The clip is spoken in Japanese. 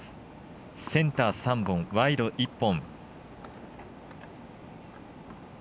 センター３本、ワイド１本。